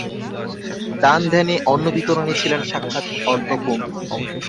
দান-ধ্যানে, অন্ন-বিতরণে ছিলেন সাক্ষাৎ অন্নপূর্ণা।